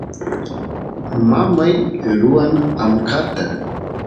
mamay ruwan amkata